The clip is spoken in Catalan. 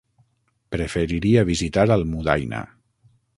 Preferiria visitar Almudaina.